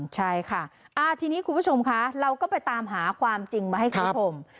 ใช่ค่ะทีนี้คุณผู้ชมคะเราก็ไปตามหาความจริงมาให้คุณผู้ชม